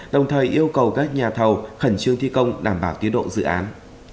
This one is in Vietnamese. đồng thời yêu cầu các nhà thầu khẩn trương thi công đảm bảo tiến độ dự án